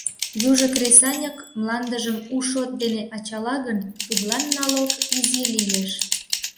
Южо кресаньык мландыжым у шот дене ачала гын, тудлан налог изи лиеш.